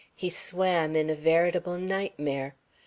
He swam in a veritable nightmare.